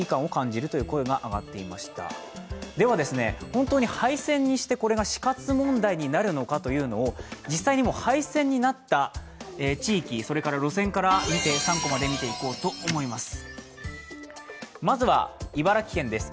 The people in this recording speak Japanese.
本当に廃線にしてこれが死活問題になるのかというのを実際に廃線になった地域それから路線から、３コマで見ていこうと思います。